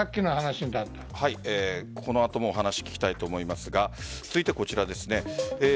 この後も話を聞きたいと思いますが続いてはこちらです。